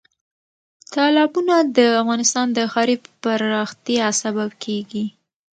تالابونه د افغانستان د ښاري پراختیا سبب کېږي.